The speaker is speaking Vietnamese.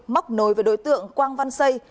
móc nối với đối tượng quang văn xây